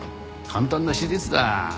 簡単な手術だ。